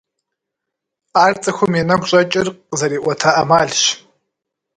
Ар цӀыхум и нэгу щӀэкӀыр къызэриӀуэта Ӏэмалщ.